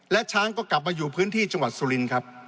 และช้างก็กลับมาอยู่พื้นที่จังหวัดสุรินครับ